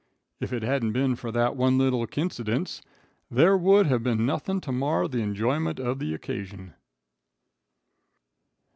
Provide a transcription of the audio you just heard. "If it hadn't been for that one little quincidence, there would have been nothing to mar the enjoyment of the occasion."